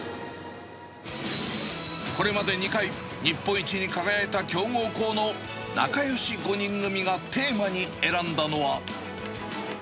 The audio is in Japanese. これまで２回、日本一に輝いた強豪校の仲よし５人組がテーマに選んだのは。